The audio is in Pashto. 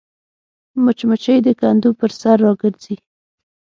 مچمچۍ د کندو پر سر راګرځي